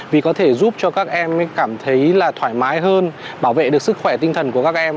vì có thể giúp cho các em cảm thấy thoải mái hơn bảo vệ được sức khỏe tinh thần của các em